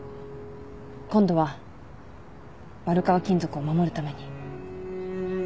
今度は丸川金属を守るために。